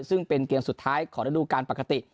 ซึ่งเป็นเกมสุดท้ายของระดูการปกติ